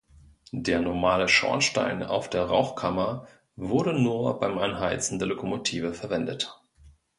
Der normale Schornstein auf der Rauchkammer wurde nur beim Anheizen der Lokomotive verwendet.